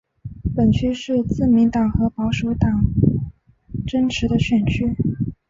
本区是自民党和保守党争持的选区。